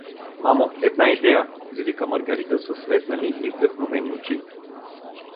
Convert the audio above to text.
— Мамо, една идея! — извика Маргарита със светнали и вдъхновени очи.